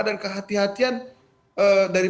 dan kehatian dari